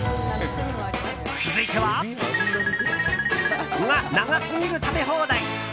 続いては○○が長すぎる食べ放題。